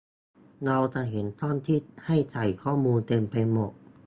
เราจะเห็นช่องที่ให้ใส่ข้อมูลเต็มไปหมด